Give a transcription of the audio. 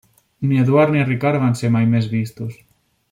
Ni Eduard ni Ricard van ser mai més vistos.